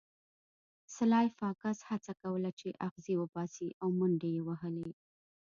سلای فاکس هڅه کوله چې اغزي وباسي او منډې یې وهلې